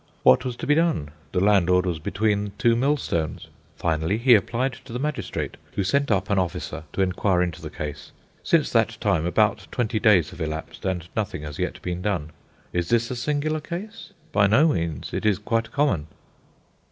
What was to be done? The landlord was between two millstones. Finally he applied to the magistrate, who sent up an officer to inquire into the case. Since that time about twenty days have elapsed, and nothing has yet been done. Is this a singular case? By no means; it is quite common."